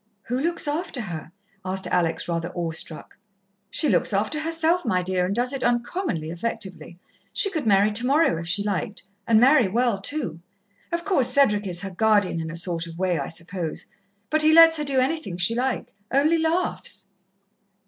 "Who looks after her?" asked Alex, rather awe struck. "She looks after herself, my dear, and does it uncommonly effectively. She could marry tomorrow if she liked and marry well, too. Of course, Cedric is her guardian in a sort of way, I suppose, but he lets her do anything she like only laughs."